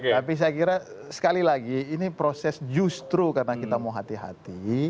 tapi saya kira sekali lagi ini proses justru karena kita mau hati hati